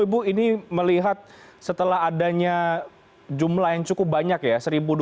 ibu ini melihat setelah adanya jumlah yang cukup banyak ya